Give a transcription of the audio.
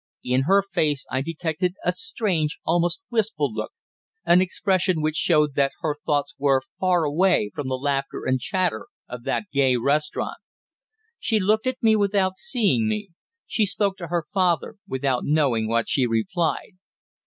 In her face I detected a strange, almost wistful look, an expression which showed that her thoughts were far away from the laughter and chatter of that gay restaurant. She looked at me without seeing me; she spoke to her father without knowing what she replied.